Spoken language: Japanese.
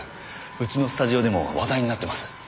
うちのスタジオでも話題になってます。